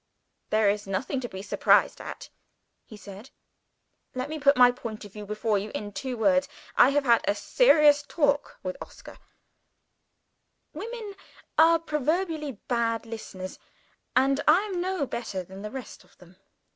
"There is nothing to be surprised at," he said. "Let me put my point of view before you in two words. I have had a serious talk with Oscar " Women are proverbially bad listeners and I am no better than the rest of them.